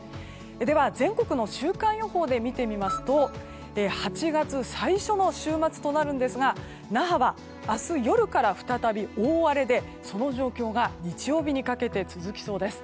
では、全国の週間予報で見てみますと８月最初の週末となるんですが那覇は、明日夜から再び大荒れでその状況が日曜日にかけて続きそうです。